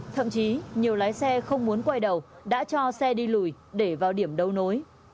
thậm chí nhiều lái xe không muốn quay đầu đã cho xe đi lùi để vào điểm đấu nối